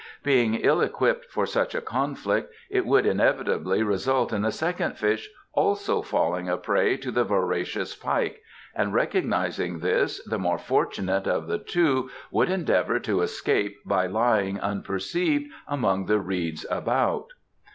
"Being ill equipped for such a conflict, it would inevitably result in the second fish also falling a prey to the voracious pike, and recognizing this, the more fortunate of the two would endeavour to escape by lying unperceived among the reeds about."